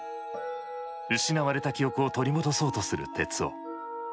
失われた記憶を取り戻そうとする徹生。